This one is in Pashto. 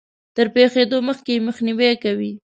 تر پېښېدو مخکې يې مخنيوی کوي.